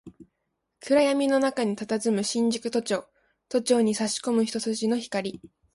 暗闇の中に佇む新宿都庁、都庁に差し込む一筋の光